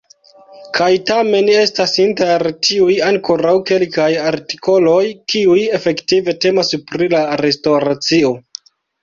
Kaj tamen estas inter tiuj ankoraŭ kelkaj artikoloj kiuj efektive temas pri la restoracio.